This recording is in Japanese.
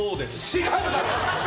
違うだろ！